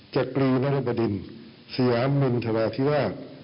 จักรีนรบดินสยามินทนาธิราช